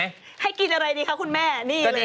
ให้กินอะไรดีคะคุณแม่